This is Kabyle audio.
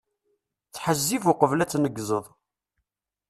Ttḥezzib uqbel ad tneggzeḍ.